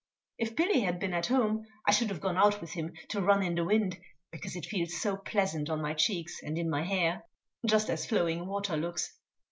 If Billy had been at home I should have gone out with him to run in the wind, because it feels so pleasant on my cheeks and in my hair, just as flowing water looks.